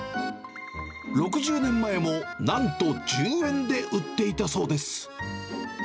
６０年前も、なんと１０円で売っていたそうです。